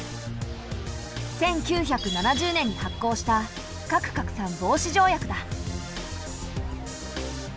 １９７０年に発効した核拡散防止条約だ。